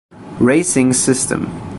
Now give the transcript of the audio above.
Racing System.